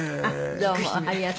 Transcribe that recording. どうも。